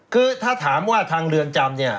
คือถ้าถามว่าทางเรือนจำเนี่ย